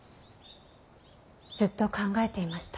ずっと考えていました。